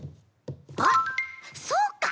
あっそうか。